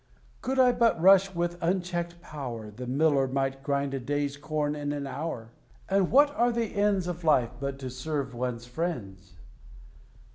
Could I but rush with unchecked power, The miller might grind a day's corn in an hour. And what are the ends Of life, but to serve one's friends?"